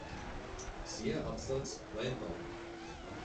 Siehe Absatz "Weinbau".